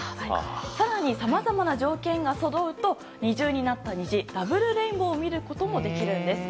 更にさまざまな条件がそろうと二重になった虹ダブルレインボーを見ることができるんです。